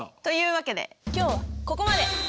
というわけで今日はここまで！